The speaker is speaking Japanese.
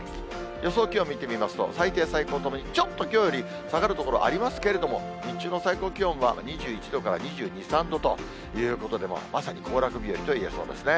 予想気温見てみますと、最低、最高ともにちょっときょうより下がる所ありますけれども、日中の最高気温は２１度から２２、３度ということで、もうまさに行楽日和といえそうですね。